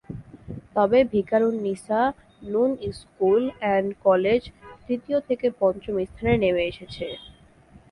তবে Viqarunnisa Noon school and college তৃতীয় থেকে পঞ্চম স্থানে নেমে এসেছে।